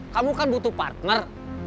kamu kan butuh partner